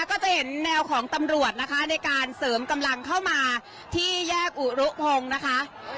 ก็จะเห็นแนวของตำรวจนะคะในการเสริมกำลังเข้ามาที่แยกอุรุพงศ์นะคะ